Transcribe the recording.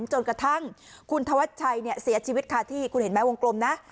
จนกระทั่งคุณธวัชชัยเสียชีวิตค่ะที่คุณเห็นไหมวงกลมนะ